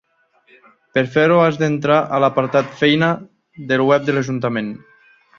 Per fer-ho has d'entrar a l'apartat "feina" del web de l'ajuntament.